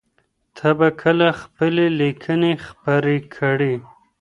ته به کله خپلي ليکنې خپرې کړې؟